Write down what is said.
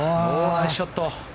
ナイスショット。